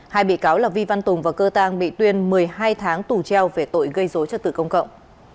hai bị cáo là vi văn tùng và cơ tăng bị tuyên một mươi hai tháng tù treo về tội gây dối trật tự công cộng